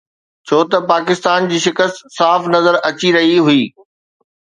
ڇو ته پاڪستان جي شڪست صاف نظر اچي رهي هئي